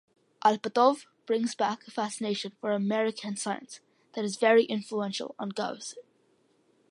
Alpatov brings back a fascination for American science that is very influential on Gause.